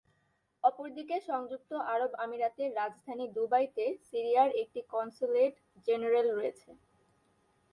অপরদিকে সংযুক্ত আরব আমিরাতের রাজধানী দুবাইতে, সিরিয়ার একটি কনস্যুলেট জেনারেল রয়েছে।